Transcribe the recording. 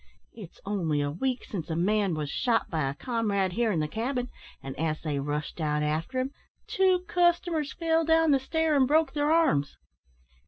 It's only a week since a man was shot by a comrade here in the cabin, an' as they rushed out after him, two customers fell down the stair and broke their arms.